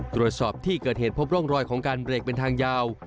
ตรวจสอบที่เกิดเหตุพบร่องรอยของการเบรกเป็นทางยาว